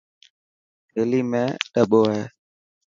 ٿيلي ۾ ڏٻو هي.